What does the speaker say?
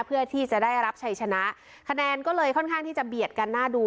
เพื่อที่จะได้รับชัยชนะคะแนนก็เลยค่อนข้างที่จะเบียดกันน่าดู